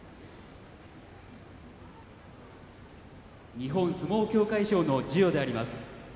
日本相撲協会賞の授与であります。